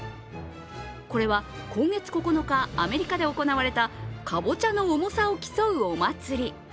これは、今月９日、アメリカで行われたかぼちゃの重さを競うお祭り。